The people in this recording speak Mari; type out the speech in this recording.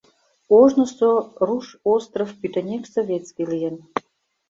Ожнысо руш остров пӱтынек советский лийын.